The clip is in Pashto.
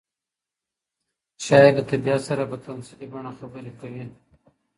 شاعر له طبیعت سره په تمثیلي بڼه خبرې کوي.